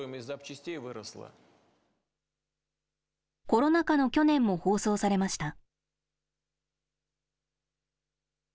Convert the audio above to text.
コロナ禍の去年も放送されました。